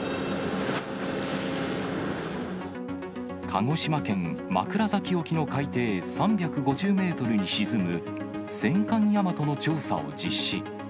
鹿児島県枕崎沖の海底３５０メートルに沈む、戦艦大和の調査を実施。